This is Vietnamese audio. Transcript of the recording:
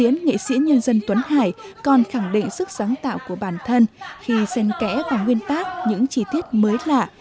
nghệ sĩ nhân dân tuấn hải còn khẳng định sức sáng tạo của bản thân khi sen kẽ vào nguyên tác những chi tiết mới lạ